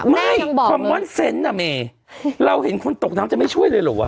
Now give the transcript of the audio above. คอมมอนเซนต์น่ะเมเราเห็นคนตกน้ำจะไม่ช่วยเลยเหรอวะ